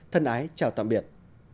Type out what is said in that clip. thân ái chào tạm biệt